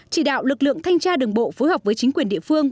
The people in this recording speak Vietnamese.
chỉ đạo lực lượng thanh tra đường bộ phối hợp với chính quyền địa phương